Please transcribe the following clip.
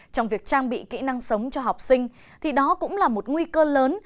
trong việc trang bị kỹ năng sống cho học sinh thì đó cũng là một nguy cơ lớn